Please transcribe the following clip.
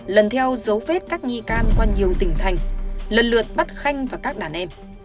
lần theo dấu vết các nghi can qua nhiều tỉnh thành lần lượt bắt khanh và các đàn em